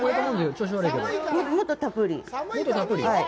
もっとたっぷり。